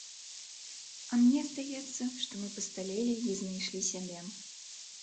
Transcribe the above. А мне здаецца, што мы пасталелі і знайшлі сябе.